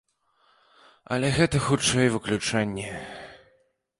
Але гэта, хутчэй, выключэнне.